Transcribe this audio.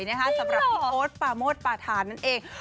สำหรับพี่โอ๊ตปาโมทปาธานนั่นเอง